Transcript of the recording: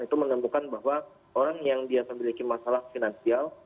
itu menemukan bahwa orang yang dia memiliki masalah finansial